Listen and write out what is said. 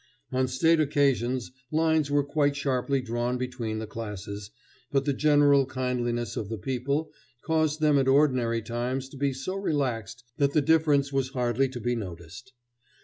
On state occasions lines were quite sharply drawn between the classes, but the general kindliness of the people caused them at ordinary times to be so relaxed that the difference was hardly to be noticed.